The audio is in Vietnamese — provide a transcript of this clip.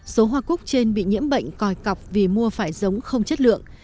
số hoa cúc trên bị nhiễm bệnh còi cọc vì mua phải giống không chất lượng